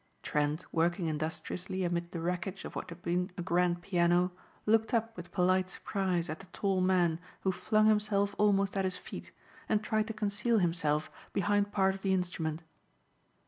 Trent working industriously amid the wreckage of what had been a grand piano looked up with polite surprise at the tall man who flung himself almost at his feet and tried to conceal himself behind part of the instrument.